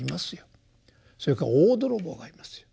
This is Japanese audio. それから大泥棒がいますよ。